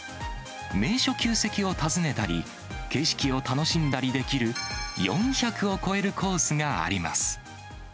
名所旧跡を訪ねたり、景色を楽しんだりできる、４００を超えるコースがあります。